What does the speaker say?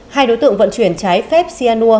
hai đối tượng vận chuyển trái phép sia nua